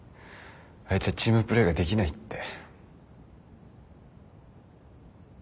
「あいつはチームプレーができない」って。